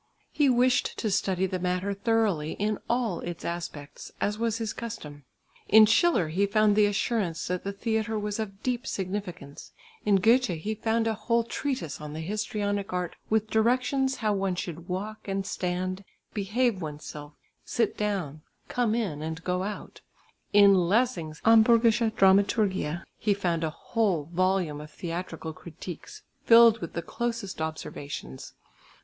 He wished to study the matter thoroughly in all its aspects, as was his custom. In Schiller he found the assurance that the theatre was of deep significance; in Goethe he found a whole treatise on the histrionic art with directions how one should walk and stand, behave oneself, sit down, come in and go out; in Lessing's Hamburgische Dramaturgie he found a whole volume of theatrical critiques filled with the closest observations.